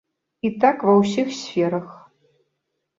І так ва ўсіх сферах.